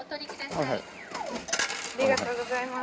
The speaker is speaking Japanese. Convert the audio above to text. ありがとうございます。